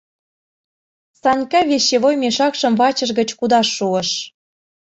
— Санька вещевой мешакшым вачыж гыч кудаш шуыш.